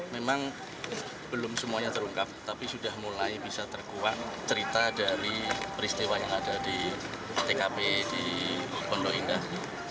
memang belum semuanya terungkap tapi sudah mulai bisa terkuat cerita dari peristiwa yang ada di tkp di pondok indah